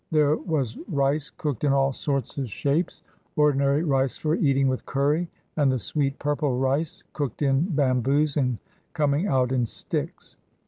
There was rice cooked in all sorts of shapes, ordinary rice for eating with curry, and the sweet purple rice, cooked in bamboos and coming out in sticks.